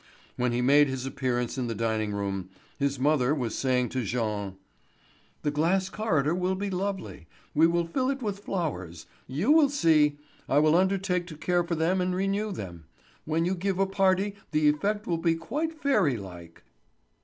When he made his appearance in the dining room his mother was saying to Jean: "The glass corridor will be lovely. We will fill it with flowers. You will see. I will undertake to care for them and renew them. When you give a party the effect will be quite fairy like."